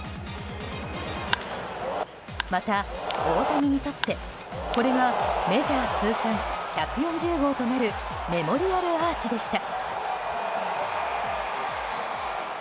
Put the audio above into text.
また大谷にとって、これがメジャー通算１４０号となるメモリアルアーチでした。